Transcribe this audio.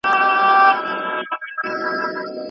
موږ باید د پاکوالي کلتور عام کړو.